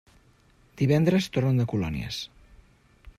Divendres tornen de colònies.